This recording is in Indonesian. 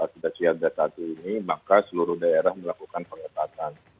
kita siap data ini maka seluruh daerah melakukan pengetahuan